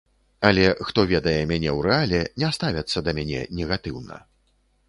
Але хто ведае мяне ў рэале, не ставяцца да мяне негатыўна.